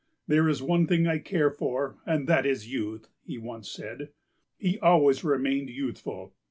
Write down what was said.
"There is one thing I care for and that is youth," he once said. And he always remained youthful.